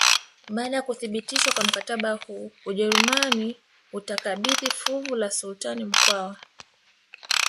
Baada ya kuthibitishwa kwa mkataba huu Ujerumani utakabidhi fuvu la sultani Mkwawa